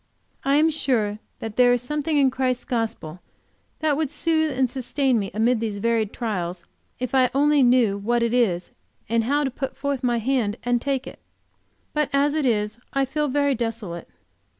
I am sure that there is something in Christ's gospel that would soothe and sustain me amid these varied trials, if I only knew what it is, and how to put forth my hand and take it. But as it is I feel very desolate.